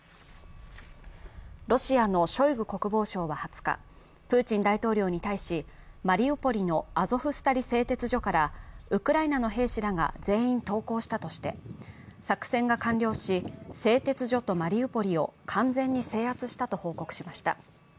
ロシアのショイグ国防相は２０日プーチン大統領に対し、マリウポリのアゾフスタリ製鉄所からウクライナの兵士らが全員投降したとして、作戦が完了し、製鉄所とマリウポリを完全に制圧したと報告しました。